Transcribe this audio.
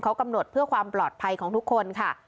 เขากำหนดเพื่อความปลอดภัยของทุกคนค่ะ